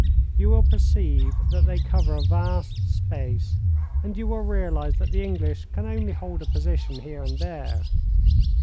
You will perceive that they cover a vast space, and you will realise that the English can only hold a position here and there.